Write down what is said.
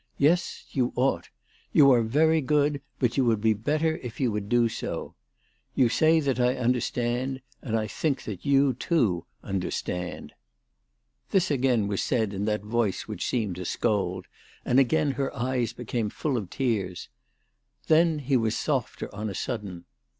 " Yes ; you ought. You are very good, but you would be better if you would do so. You say that I understand, and I think that you, too, understand." 302 THE TELEGRAPH GIRL. This again was said in that voice which seemed to scold, and again her eyes became full of tears. Then he was softer on a sudden.